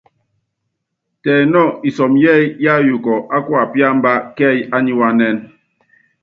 Tɛ nɔ́ɔ isɔmɔ yɛ́ɛ́yí yáyuukɔ á kuapíámbá kɛ́ɛ́yí ániwáánɛn.